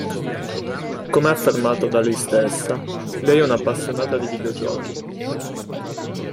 Come affermato da lei stessa, lei è una appassionata di videogiochi.